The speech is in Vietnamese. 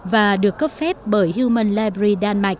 và được cấp phép bởi human library đan mạch